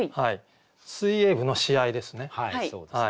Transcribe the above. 水泳部の試合ですね。